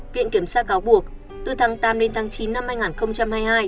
viện kiểm soát cáo buộc từ tháng tám đến tháng chín năm hai nghìn một mươi chín